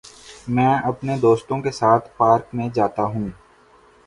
میں اپنے دوست کے ساتھ پارک میں جاتا ہوں۔